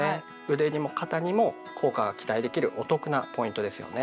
腕にも肩にも効果が期待できるお得なポイントですよね。